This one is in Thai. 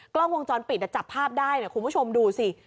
กล้องวงจรปิดจับภาพได้นะคุณผู้ชมดูสิ